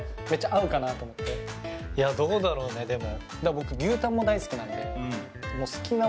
どうだろうね、でも。